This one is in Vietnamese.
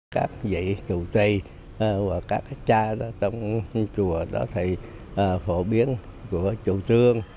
các vị trụ trì và các cha trong chùa đó thì phổ biến của chủ trương